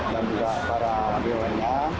dan juga para dewan nya